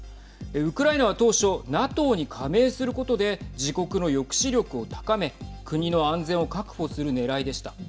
ウクライナは当初ＮＡＴＯに加盟することで自国の抑止力を高め国の安全を確保するねらいでした。